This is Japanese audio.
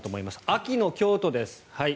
秋の京都です。